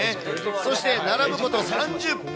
そして並ぶこと３０分。